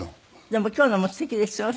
でも今日のもすてきでしょう？